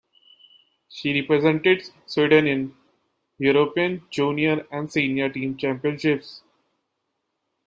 She represented Sweden in European Junior and Senior Team championships.